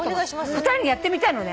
２人にやってみたいのね。